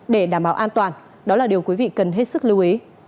để đảm bảo an toàn đó là điều quý vị cần hết sức lưu ý